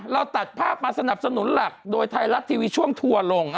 เราตัดภาพมาสนับสนุนหลักโดยไทยรัฐทีวีช่วงทัวร์ลง